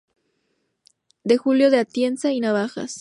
De Julio de Atienza y Navajas.